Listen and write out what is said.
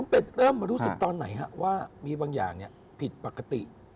เริ่มรู้สึกตอนไหนครับว่ามีบางอย่างผิดปกติ